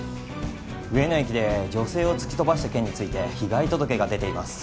上野駅で女性を突き飛ばした件について被害届が出ています。